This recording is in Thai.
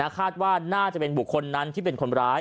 คาดว่าน่าจะเป็นบุคคลนั้นที่เป็นคนร้าย